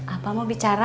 apa mau bicara